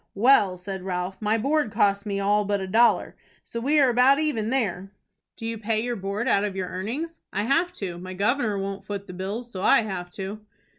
"Well," said Ralph, "my board costs me all but a dollar. So we are about even there." "Do you pay your board out of your earnings?" "I have to. My governor won't foot the bills, so I have to."